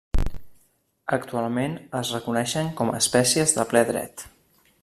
Actualment es reconeixen com espècies de ple dret.